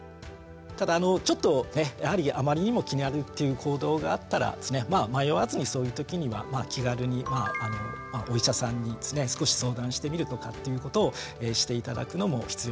ただあのちょっとねあまりにも気になるっていう行動があったら迷わずにそういう時には気軽にお医者さんに少し相談してみるとかっていうことをして頂くのも必要かなとは思います。